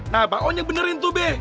nah mbak on yang benerin tuh be